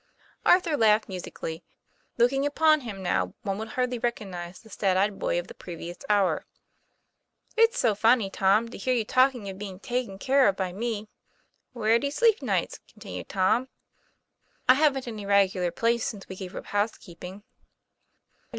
Arthur laughed musically; looking upon him now one would hardly recognize the sad eyed boy of the previous hour. ' It's so funny, Tom, to hear you talking of being taken care of by me." 'Where do you sleep nights ?' continued Tom. 'I haven't any regular place since we gave up housekeeping."